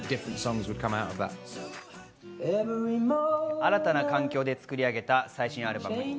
新たな環境で作り上げた最新アルバム。